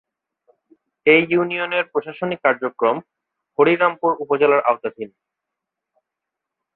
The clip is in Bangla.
এ ইউনিয়নের প্রশাসনিক কার্যক্রম হরিরামপুর উপজেলার আওতাধীন।